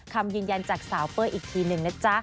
คำยืนยันจากสาวเป้ยอีกทีหนึ่งนะจ๊ะ